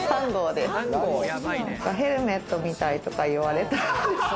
ヘルメットみたいとか言われた。